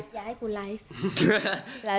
อย่าให้กูไลฟ์